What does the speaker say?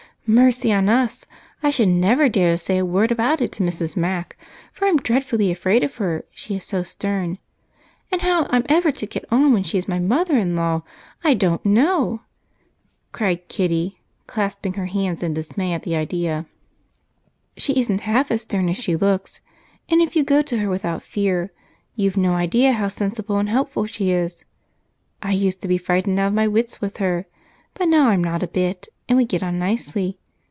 "Mercy on us! I should never dare to say a word about it to Mrs. Mac, for I'm dreadfully afraid of her, she is so stern, and how I'm ever to get on when she is my mother in law I don't know!" cried Kitty, clasping her hands in dismay at the idea. "She isn't half as stern as she looks, and if you go to her without fear, you've no idea how sensible and helpful she is. I used to be frightened out of my wits with her, but now I'm not a bit, and we get on nicely.